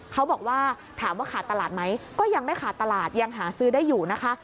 เขาบอกว่าถามว่าขาดตลาดไหมก็ยังไม่ขาดตลาดยังหาซื้อได้อยู่นะคะ